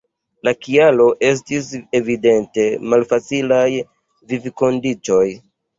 La kialo estis evidente malfacilaj vivkondiĉoj.